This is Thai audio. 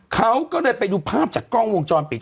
เขาก็เลยไปดูภาพจากกล้องวงจรปิด